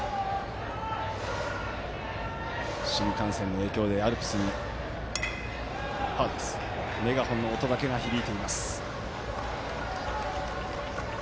新幹線の影響でアルプスにメガホンの音だけが響いています。